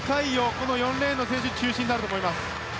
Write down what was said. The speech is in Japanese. この４レーンの選手中心になると思います。